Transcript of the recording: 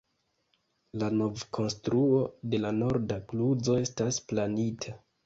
La novkonstruo de la norda kluzo estas planita.